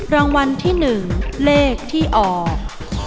รางวัลที่หนึ่งเลขที่ออก